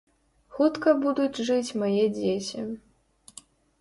Хутка будуць жыць мае дзеці.